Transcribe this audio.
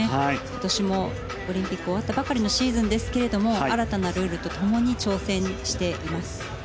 今年もオリンピックが終わったばかりのシーズンですけれども新たなルールと共に挑戦しています。